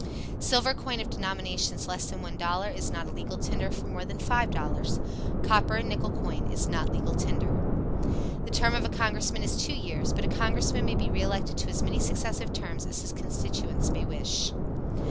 Silver coin of denominations less than $1 is not a legal tender for more than $5.00. Copper and nickel coin is not legal tender. The term of a Congressman is two years, but a Congressman may be re elected to as many successive terms as his constituents may wish.